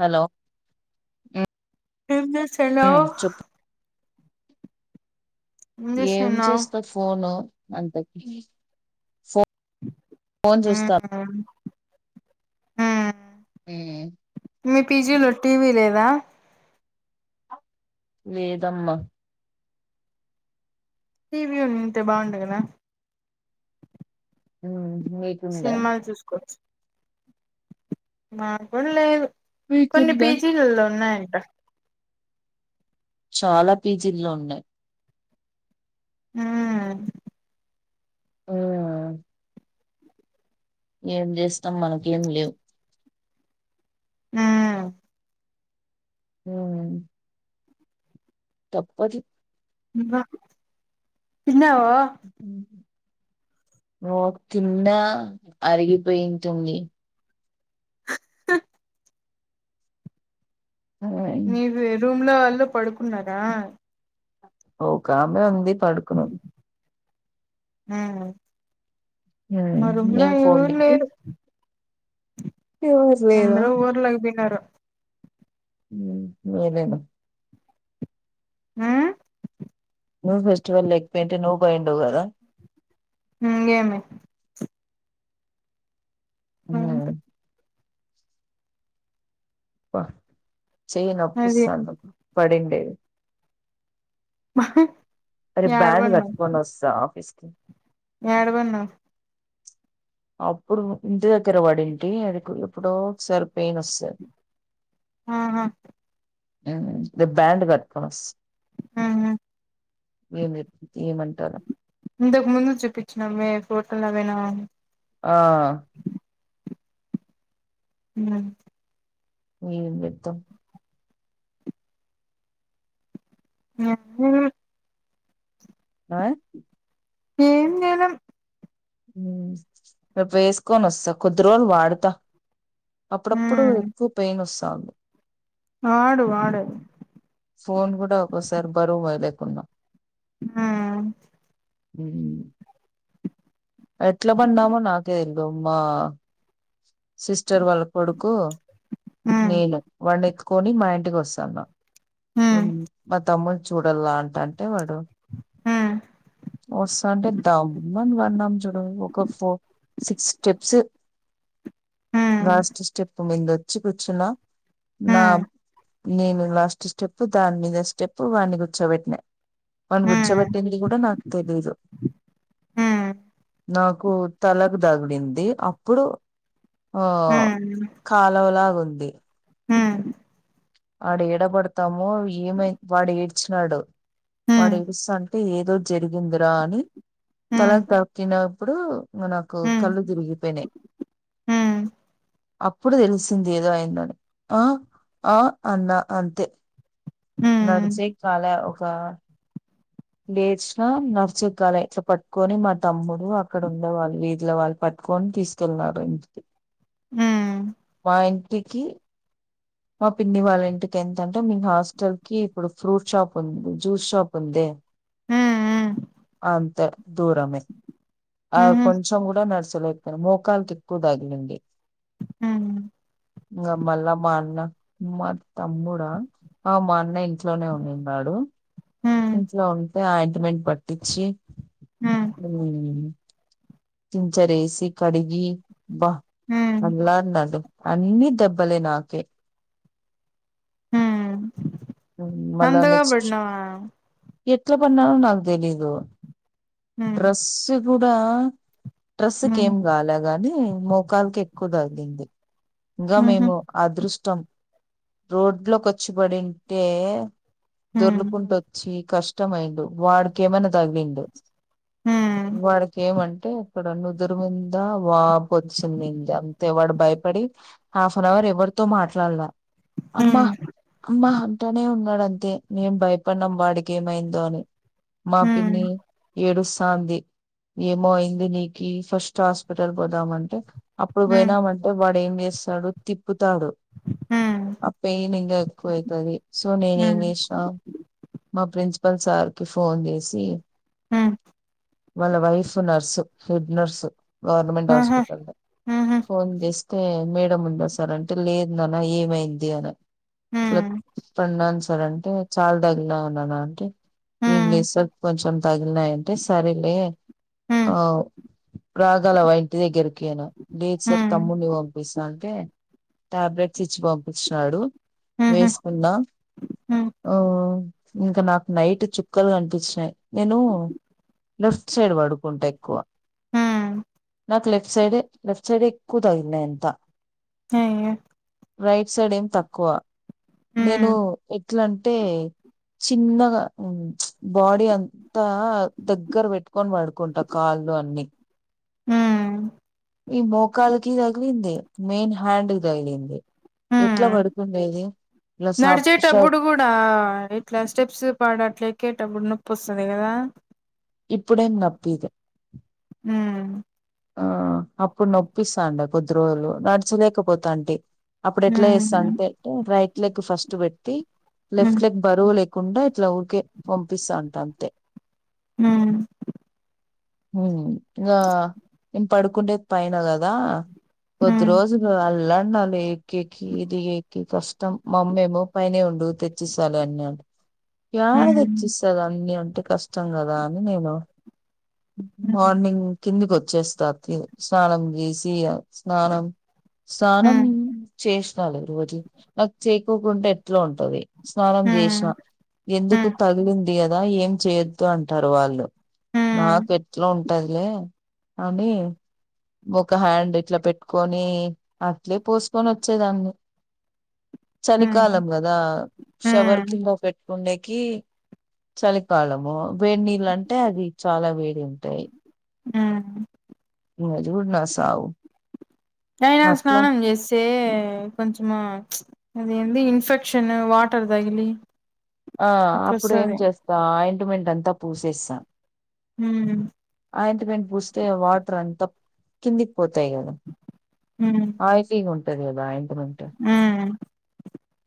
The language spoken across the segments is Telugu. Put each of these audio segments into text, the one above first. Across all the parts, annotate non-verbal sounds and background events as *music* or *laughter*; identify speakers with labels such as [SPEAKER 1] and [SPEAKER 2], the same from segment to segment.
[SPEAKER 1] హలో
[SPEAKER 2] ఏం చేస్తున్నావ్ హలో
[SPEAKER 1] ఉమ్ చెప్పు ఏం
[SPEAKER 2] చేస్తున్నావ్
[SPEAKER 1] చేస్తా ఫోను అంత స
[SPEAKER 2] ఉమ్
[SPEAKER 1] ఉమ్
[SPEAKER 2] మీ పిజీలో టీవీ లేదా
[SPEAKER 1] లేదమ్మా
[SPEAKER 2] టీవీ ఉంటే బాగుండ కదా
[SPEAKER 1] ఉ
[SPEAKER 2] సినిమాలు చూసుకోవచ్చు మా కూడా లేదు కొన్ని
[SPEAKER 1] మీకుందా
[SPEAKER 2] పీజీలలో ఉన్నాయంట
[SPEAKER 1] చాలా పీజీల్లో ఉన్నాయి
[SPEAKER 2] ఆ
[SPEAKER 1] ఆ ఏం చేస్తాం మనకేం లేవు
[SPEAKER 2] ఆ
[SPEAKER 1] హ తప్పది
[SPEAKER 2] అ
[SPEAKER 1] ఉమ్, ఓ తిన్నా అరిగిపోయంటుంది ఉమ్
[SPEAKER 2] నీవె రూమ్ల వాళ్ళు పడుకున్నరా
[SPEAKER 1] ఓ కామె ఉంది పడుకున్నది
[SPEAKER 2] ఆ
[SPEAKER 1] ఉమ్
[SPEAKER 2] మా రూంలో
[SPEAKER 1] నేను ఫోన్
[SPEAKER 2] ఎవర్
[SPEAKER 1] చేసి
[SPEAKER 2] లేరు
[SPEAKER 1] ఎవరు లేరా
[SPEAKER 2] అంద్రు ఊర్లోకిపోయినారు
[SPEAKER 1] ఉమ్ ఎవర్లేరు
[SPEAKER 2] ఆ
[SPEAKER 1] నువ్ ఫెస్టివల్ లెకపోయుంటే నువ్ పోయిండేవ్ గదా
[SPEAKER 2] హ్మ్ గేమి
[SPEAKER 1] హ్మ్ బ్బ చెయ్యి
[SPEAKER 2] అది
[SPEAKER 1] నొప్పుస్తాన్ది పడిండేది
[SPEAKER 2] మ
[SPEAKER 1] అరే బ్యాడ్ గట్టుకోనొస్తా ఆఫీస్ కి
[SPEAKER 2] యాడబన్నావ్
[SPEAKER 1] అప్పుడు ఇంటి దగ్గర పడింటీ అది ఎప్పుడో ఒకసారి పెయిన్ వస్తది
[SPEAKER 2] ఆహా
[SPEAKER 1] ఆ ద బ్యాండ్ గట్టుకొనొస్త
[SPEAKER 2] ఆహా
[SPEAKER 1] ఏం జెత్
[SPEAKER 2] ఇంతకు ముందు చూపిచ్చినమే ఫోటోలవేనా
[SPEAKER 1] ఆ
[SPEAKER 2] అ
[SPEAKER 1] ఏం జెత్తం
[SPEAKER 2] ఆ *unintelligible*
[SPEAKER 1] ఆ
[SPEAKER 2] ఏం లేదన్
[SPEAKER 1] ఉమ్ రేపేస్కొనొస్తా కొద్ది రోజులు వాడతా అప్పుడప్పుడు
[SPEAKER 2] మ్మ్
[SPEAKER 1] ఎక్కువ పెయినొస్తాంది
[SPEAKER 2] వాడు వాడు
[SPEAKER 1] తరు బరువు మోయలేకున్న
[SPEAKER 2] ఆ
[SPEAKER 1] ఉమ్ ఎట్లా పడినామో నాకే తెల్దు మా సిస్టర్ వాళ్ళ కొడుకు
[SPEAKER 2] మ్మ్
[SPEAKER 1] నేను వాడ్నేత్తుకొని మా ఇంటికొస్తాన్నా ఉమ్
[SPEAKER 2] మ్మ్
[SPEAKER 1] మా తమ్ముడు చూడాల అంటాంటే వాడు వస్తాంటే దమ్మని పడినం చూడు ఒక ఫో సిక్స్ స్టెప్స్
[SPEAKER 2] మ్మ్
[SPEAKER 1] లాస్ట్ స్టెప్ ముందొచ్చి కూర్చున్నా నా నేను లాస్ట్ స్టెప్పు, దాని మీద స్టెప్పు వాన్నీ కూర్చోబెట్టినా వాన్ని
[SPEAKER 2] మ్మ్
[SPEAKER 1] గూర్చోబెట్టింది గూడ నాకు తెలీదు
[SPEAKER 2] మ్మ్
[SPEAKER 1] నాకు తలకు తగిలింది అప్పుడు ఆ
[SPEAKER 2] మ్మ్
[SPEAKER 1] కాలవలాగుంది
[SPEAKER 2] హ్మ్
[SPEAKER 1] ఆడ ఏడబడతామో ఏమై వాడు ఏడ్చినాడు
[SPEAKER 2] మ్మ్
[SPEAKER 1] వాడేడుస్తాన్టే ఏదో జరిగిందిరా అని
[SPEAKER 2] మ్మ్
[SPEAKER 1] తలకి దాకినప్పుడు ఇగ నాకు
[SPEAKER 2] మ్మ్ మ్మ్
[SPEAKER 1] కళ్ళు తిరిగిపోయినయి
[SPEAKER 2] మ్మ్
[SPEAKER 1] అప్పుడు తెలిసింది ఏదో అయిందని ఆ ఆ అన్నా అంతే
[SPEAKER 2] మ్మ్ మ్మ్
[SPEAKER 1] నడిచే కాల ఒకా లేచిన నర్చెగ్గాల ఇట్ల పట్టుకొని మా తమ్ముడు అక్కడుండే వాళ్ళు వీధిలో వాళ్ళు పట్ కోన్ తీసుకెల్లినారు ఇంటికి.
[SPEAKER 2] మ్
[SPEAKER 1] మా ఇంటికి మా పిన్ని వాళ్ళ ఇంటికి ఎంతంటే మీ హాస్టల్ కి ఇప్పుడు ఫ్రూట్ షాప్ ఉంది జ్యూస్ షాప్ ఉందె
[SPEAKER 2] మ్మ్
[SPEAKER 1] అంత దూరము
[SPEAKER 2] మ్మ్
[SPEAKER 1] ఆ
[SPEAKER 2] మ్మ్ మ్మ్ మ్మ్
[SPEAKER 1] కొంచం కూడా నడుచలే మోకాలికి ఎక్కువ దగిలింది
[SPEAKER 2] మ్మ్ మ్మ్
[SPEAKER 1] ఇంగ మళ్ళా మా అన్న మా తమ్ముడా ఆ మా అన్న ఇంట్లోనే ఉన్నినాడు ఇంట్లో ఉంటే ఆయింట్ మెంట్ పట్టించి టించారెసి కడిగి బా
[SPEAKER 2] మ్మ్
[SPEAKER 1] అల్లాలాడు అన్ని దెబ్బలే నాకే
[SPEAKER 2] మ్మ్
[SPEAKER 1] మ్మ్ మళ్ళా
[SPEAKER 2] అంతగా
[SPEAKER 1] నెస్ట్
[SPEAKER 2] పడినావా
[SPEAKER 1] ఎట్లా పన్నారో నాకు తెలీదు
[SPEAKER 2] మ్మ్
[SPEAKER 1] డ్రస్స్ గూడా డ్రెస్సుకి
[SPEAKER 2] మ్మ్
[SPEAKER 1] ఏం గాలగాని మోకాల్కి ఎక్కువ తగిలింది ఇంగా
[SPEAKER 2] మ్మ్
[SPEAKER 1] మేము అదృష్టం రోడ్లో కొచ్చి పడింటే
[SPEAKER 2] మ్మ్
[SPEAKER 1] దొర్లుకుంటు వచ్చి కష్టం అయిండు వాడికిమన్న దగిలిండు.
[SPEAKER 2] మ్మ్
[SPEAKER 1] వాడికెమంటే నుదురు మిందా వాపు వొచ్చింది ఇంగా అంతే వాడు భయపడి హాఫ్ అన్ అవర్ ఎవరితో మా మాట్లాళ్ల అమ్మ
[SPEAKER 2] మ్మ్
[SPEAKER 1] అమ్మ అంటానే ఉ న్నాడంతే మేం భయపడ్నాం వాడికి ఏమైందో అని మా పిన్ని
[SPEAKER 2] హ్మ్
[SPEAKER 1] ఏడుసాంది ఏమో అయింది నీ ఈ ఫస్ట్ హాస్పిటల్ పోదామంటే అప్పుడు
[SPEAKER 2] హ్మ్
[SPEAKER 1] పోయినామంటే వాడు ఏం చేస్తాడు తిప్పు తాడు
[SPEAKER 2] హ్మ్
[SPEAKER 1] అ పయిన్ ఇంకా ఎక్కువ అయితాది సో నేనే ఏం
[SPEAKER 2] హ్మ్
[SPEAKER 1] చేసినా మా ప్రిన్సిపల్ సార్కి ఫోన్ చేసి
[SPEAKER 2] హ్మ్.
[SPEAKER 1] వాళ్ళ wife nurse head nurse government
[SPEAKER 2] ఆహా!
[SPEAKER 1] హాస్పిటల్ లో
[SPEAKER 2] ఆహా!
[SPEAKER 1] ఫోన్ జెసి తె మేడం ఉంది సార్ అంటే లేదునాన ఏమైంది అనా
[SPEAKER 2] హ్మ్.
[SPEAKER 1] చెప్తున్నాను సార్ అంటే చాలా దగ్న ఉన్నానంటే ఏ
[SPEAKER 2] హ్మ్.
[SPEAKER 1] లేదు సార్ కొంచెం తగిలినాయంటే సరేలే ఆ
[SPEAKER 2] హ్మ్.
[SPEAKER 1] రాగలవా ఇంటి దగ్గరకి యను లేదు సార్
[SPEAKER 2] హ్మ్.
[SPEAKER 1] తమ్మున్ని పంపిస్తా టె టాబ్లెట్స్ ఇచ్చి పంపిచిన్నాడు
[SPEAKER 2] హుహు.
[SPEAKER 1] వేసుకుందా
[SPEAKER 2] హ్మ్.
[SPEAKER 1] ఓ ఇంకా నాకు నైట్ చుక్కలు కనిపించినాయి నేను లెఫ్ట్ సైడ్ పడుకుంటా ఎక్కువ
[SPEAKER 2] హ్మ్.
[SPEAKER 1] నాకు లెఫ్ట్ సైడే లెఫ్ట్ సైడే ఎక్కువ తగినయి అంత
[SPEAKER 2] అయ్యో!
[SPEAKER 1] రైట్ సైడ్ ఏం తక్కువ నేను
[SPEAKER 2] హ్మ్.
[SPEAKER 1] ఎట్లాంటే చిన్నగా బాడీ అంతా దగ్గర పెట్టుకొని పడుకుంటా కాలు లో అన్ని
[SPEAKER 2] హ్మ్.
[SPEAKER 1] ఈ మోకాలి కి తగిలింది మెయిన్ హ్యాండ్ కి తగిలింది ఎట్లా
[SPEAKER 2] హ్మ్.
[SPEAKER 1] పడుకుండేది ఇలా సాప్
[SPEAKER 2] నడిచేటప్పుడు
[SPEAKER 1] షాప్
[SPEAKER 2] గూడా ఇట్లా స్టెప్స్ పడట్లే ఎక్కేటప్పుడు నొ పుస్తది గదా
[SPEAKER 1] ఇప్పుడేం నొప్పీదు
[SPEAKER 2] హ్మ్.
[SPEAKER 1] ఆ అప్పుడు నొప్పిస్తాండా కొద్ది రోజులు నడచలేకపోతాంటి అప్పుడు ఎట్లా చేస్తా
[SPEAKER 2] హ్మ్.
[SPEAKER 1] అంటేే రైట్ లెగ్ ఫస్ట్ పెట్టి
[SPEAKER 2] హ్మ్.
[SPEAKER 1] లెఫ్ట్ లెగ్ బరువు లె కుండా ఇట్లా ఊరికే పంపిస్తాంటి అంతే
[SPEAKER 2] మ్
[SPEAKER 1] హు ఇంగా నేన్ పడుకుండేది పైన గదా కొద్ధి
[SPEAKER 2] హ్మ్.
[SPEAKER 1] రోజులు అల్లా అన్నాల ఏక్కేకి ఇది ఏక్కి కష్టం మామ్మేమో పైనే ఉండువు తెచ్చిస్తాలె అన్యాది యాడ
[SPEAKER 2] హ్మ్.
[SPEAKER 1] తెచ్చిస్తది అన్ని అంటే కష్టం గదా అని నేను
[SPEAKER 2] హ్మ్.
[SPEAKER 1] మార్నింగ్ కిందికి వచ్చేస తతి స్నానం చేసియియ స్నానం స్నానం
[SPEAKER 2] హ్మ్. హ్మ్.
[SPEAKER 1] చేసినాలే రోజు నాక్ చేయ తకుంటే ఎట్లా ఉంటది స్నానం
[SPEAKER 2] హ్మ్.
[SPEAKER 1] చేసినా ఎందుకు
[SPEAKER 2] హ్మ్.
[SPEAKER 1] తగిలింది ది కదా ఏం చేయొద్దు అంటారు వాళ్ళు నాకేట్లో ఉంటదిలే అని ఒక హ్యాండ్ ఇట్లా పెట్టుకొని అట్లే పోసుకొని వచ్చేదాన్ని
[SPEAKER 2] హ్మ్.
[SPEAKER 1] చలికాలం కదా శవర్
[SPEAKER 2] హ్మ్.
[SPEAKER 1] కింద పెట్టుకుండే కి చలికాలము వేడి నీళ్ళ అంటే అవి చాలా వేడి ఉంటాయి
[SPEAKER 2] ఉహూ
[SPEAKER 1] ఓ ఆది నుడు నా సవ్
[SPEAKER 2] అయినా స్నానం చేసే అది కొంచము అది ఎంది ఇన్ఫెక్షన్ వాటర్ తగిలి
[SPEAKER 1] ఆ అప్పుడు ఏం
[SPEAKER 2] అట్లొస్తది
[SPEAKER 1] చేస్తా ఆయింట్మెంట్ అంతా పూసేస్తా
[SPEAKER 2] మ్మ్
[SPEAKER 1] ఆయింట్మెంట్ పూస్తే వాటర్ అంత కింది పోతాయి కదా
[SPEAKER 2] మ్మ్
[SPEAKER 1] ఆయిలిగా ఉంటాది కదా ఆయింట్మెంట్
[SPEAKER 2] మ్మ్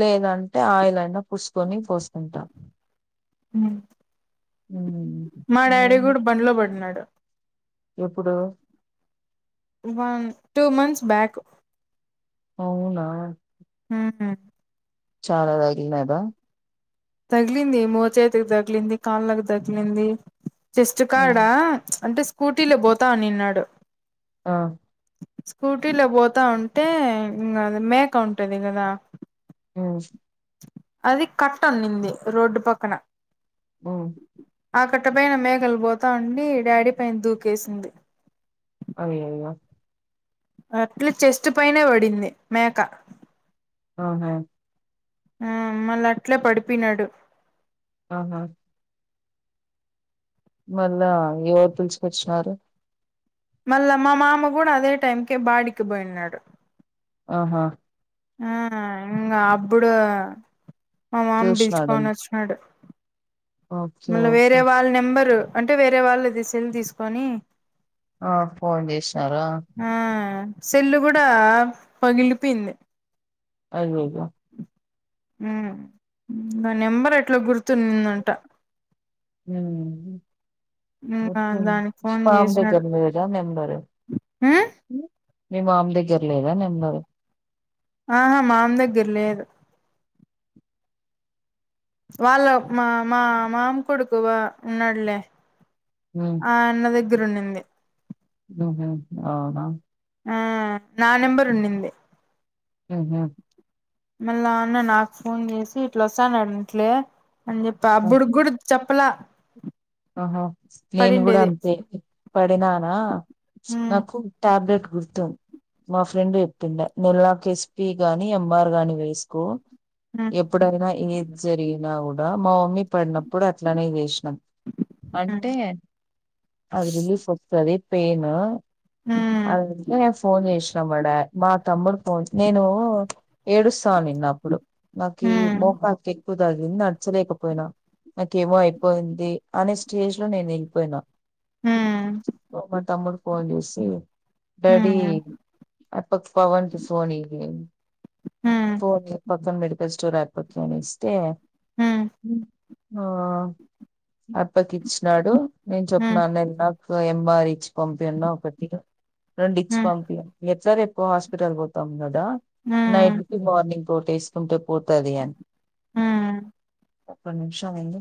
[SPEAKER 1] లేదంటే ఆయిలైనా పుసుకొని పోస్కూంటాం
[SPEAKER 2] హ్మ్
[SPEAKER 1] ఉమ్
[SPEAKER 2] మా డాడీ
[SPEAKER 1] ఏంది
[SPEAKER 2] కూడ బండ్లో పడినాడు
[SPEAKER 1] ఎప్పుడు
[SPEAKER 2] వన్ టూ మంత్స్ బ్యాక్
[SPEAKER 1] అవునా
[SPEAKER 2] మ్మ్
[SPEAKER 1] చాలా తగలిన్నాదా
[SPEAKER 2] తగిలింది మోచేతికి తగిలింది కాళ్ళకి తగిలింది చెస్ట్
[SPEAKER 1] హ్మ్.
[SPEAKER 2] కాడా అంటే స్కూటీలో పోతానిన్నాడు
[SPEAKER 1] ఆ
[SPEAKER 2] స్కూటీలో పోతా ఉంటే ఇంకా మేక ఉంటది కదా
[SPEAKER 1] ఉమ్
[SPEAKER 2] అది కట్ అన్నింది రోడ్డు పక్కన
[SPEAKER 1] ఓ
[SPEAKER 2] ఆకట్ట పైన మేకలు పోతా ఉండి డాడీ పైన దూకేసింది
[SPEAKER 1] అయ్యొయ్యో
[SPEAKER 2] అట్లే చెస్ట్ పైనే పడింది మేక
[SPEAKER 1] ఆహా
[SPEAKER 2] ఆ మళ్ళ అట్లే పడిపోయినడు
[SPEAKER 1] ఆహా మళ్ళ ఎవరు పిలుచుకొచ్చినారు
[SPEAKER 2] మళ్ళా మా మామ కూడా అదే టైంకే బాడికి పోయినాడు
[SPEAKER 1] ఆహ
[SPEAKER 2] ఆ ఇంకా అప్పుడు మా మామ పిల్చుకొని
[SPEAKER 1] చూసినాడేమో
[SPEAKER 2] వచ్చినాడు
[SPEAKER 1] ఓకే
[SPEAKER 2] మళ్ళ
[SPEAKER 1] ఓకే
[SPEAKER 2] వేరే వాళ్ళ నెంబరు అంటే వేరే వాళ్ళది సెల్ తీసుకొని
[SPEAKER 1] ఆ ఫోన్ చేసిసరా
[SPEAKER 2] ఆ సెల్లు కూడా పగిలిపోయింది
[SPEAKER 1] అయ్యయ్యో
[SPEAKER 2] ఉమ్ ఇంగా నెంబర్ ఎట్లా గుర్తున్నిందట
[SPEAKER 1] ఉహూ
[SPEAKER 2] ఇంగా
[SPEAKER 1] *unintelligible* మీ
[SPEAKER 2] దానికి ఫోన్
[SPEAKER 1] మామా
[SPEAKER 2] చేసినాడు
[SPEAKER 1] దగ్గరా లేదా నెంబర్
[SPEAKER 2] ఉమ్
[SPEAKER 1] మీ మామ దగ్గర లేదా నంబరు
[SPEAKER 2] ఆహా మామ్ దగ్గర లేదు వాళ్ళ మా మా మామ కొడుకు వ ఉన్నాడులే ఆ అన్న దగ్గర ఉండింది
[SPEAKER 1] హుహ్ అవునా.
[SPEAKER 2] ఆ నా నెంబర్ ఉండింది.
[SPEAKER 1] హుహ్
[SPEAKER 2] మళ్ళా అన్న నాకు ఫోన్ చేసి ఇట్లా వస్తాను అంట్లే అని చెప్పా అప్పటిగూడ చెప్పలా.
[SPEAKER 1] ఆహా నేను కూడా
[SPEAKER 2] పడిండేది
[SPEAKER 1] అంతే పడినానా
[SPEAKER 2] హ్మ్
[SPEAKER 1] నాకు ట్యాబ్లెట్ గుర్తు మా ఫ్రెండ్ చెప్పిండె నెల్లాకు ఎస్పి గాని ఎంఆర్ గాని వేసుకో
[SPEAKER 2] హ్మ్
[SPEAKER 1] ఎప్పుడైనా ఏది జరిగినా కూడా మా మమ్మీ పడినప్పుడు అట్లనే చేశినం.
[SPEAKER 2] హ్మ్
[SPEAKER 1] అంటే అది రిలీఫ్ వస్తది పెయిన్. అందుకే నేను ఫోన్ చేశినా మా డా మా తమ్ముడు ఫోన్ నేను ఏడుస్తా ఉండిన్నాప్పుడు నాకి ఈ
[SPEAKER 2] హ్మ్
[SPEAKER 1] మోకాలుకి ఎక్కువ తాకింది నడ్చలేకపోయినా, నాకేమో అయిపోయింది అనే స్టేజ్ లో నేను ఎళ్ళిపోయినా.
[SPEAKER 2] హ్మ్
[SPEAKER 1] ప్పుడు మా తమ్ముడు ఫోన్ చేసి డాడీ
[SPEAKER 2] హ్మ్
[SPEAKER 1] అటు పక్కా పవన్ కి ఫోన్ ఇయ్యి.
[SPEAKER 2] హ్మ్
[SPEAKER 1] ఫోన్ పక్కన మెడికల్ స్టోర్ *unintelligible* నిస్తే
[SPEAKER 2] హ్మ్
[SPEAKER 1] ఆ అప్పగిచ్చినాడు నేను
[SPEAKER 2] హ్మ్
[SPEAKER 1] చెప్పినాను నాకు ఎంఆర్ ఇచ్చి పంపిఅన్నా ఒకటి రెండు ఇచ్చి
[SPEAKER 2] హ్మ్
[SPEAKER 1] పంపిఅన్నా ఎట్లా రే పు హాస్పిటల్ కి పోతాం కదా
[SPEAKER 2] హ్మ్
[SPEAKER 1] నైట్ కి మార్నింగ్ కోటేసుకుంటే పోతది అని.
[SPEAKER 2] హ్మ్
[SPEAKER 1] ఒక నిమిషం ఉండు